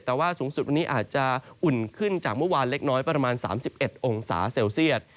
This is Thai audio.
แต่ว่าสูงสุดวันนี้อาจจะอุ่นขึ้นจากเมื่อวานเล็กน้อยประมาณ๓๑องศาเซลเซียต